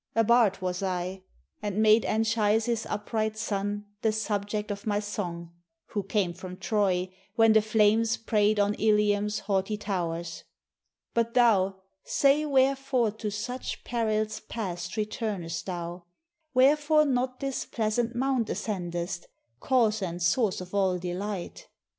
A bard Was I, and made Anchises' upright son The subject of my song, who came from Troy, When the flames prey'd on Ilium's haughty towers. But thou, say wherefore to such perils past Return'st thou? wherefore not this pleasant mount Ascendest, cause and source of all delight?"